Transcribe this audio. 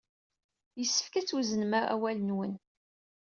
Yessefk ad twezznem awal-nwen.